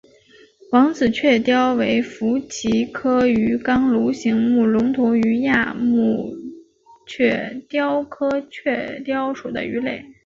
王子雀鲷为辐鳍鱼纲鲈形目隆头鱼亚目雀鲷科雀鲷属的鱼类。